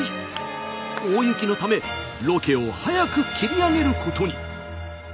大雪のためロケを早く切り上げることに。